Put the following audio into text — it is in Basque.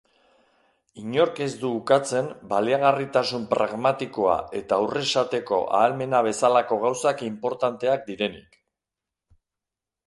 Inork ez du ukatzen baliagarritasun pragmatikoa eta aurresateko ahalmena bezalako gauzak inportanteak direnik.